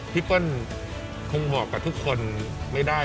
เปิ้ลคงบอกกับทุกคนไม่ได้